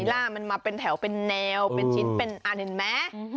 ล่ามันมาเป็นแถวเป็นแนวเป็นชิ้นเป็นอันเห็นไหม